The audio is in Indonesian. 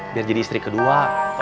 biar jadi istri kedua